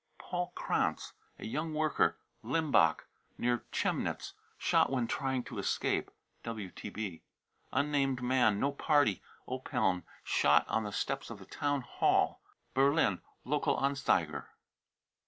Paul krantz, a young worker, Limbach, near Chemnitz, " shot when trying to escape." (WTB.) unnamed man, no party, Oppeln, shot on the steps of the Town Hall. (Berlin Lokal Anzeiger.)